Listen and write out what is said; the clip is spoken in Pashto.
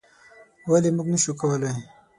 ولې موږ نشو کولی؟